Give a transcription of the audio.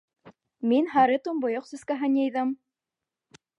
Мин һары томбойоҡ сәскәһен йыйҙым!